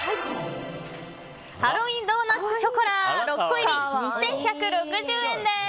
ハロウィンドーナツショコラ６個入り、２１６０円です。